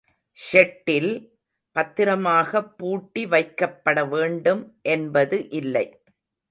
Shuttle பத்திரமாகப் பூட்டி வைக்கப்படவேண்டும் என்பது இல்லை.